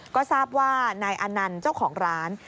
ก็ทราบว่านายอนันต์เจ้าของร้าน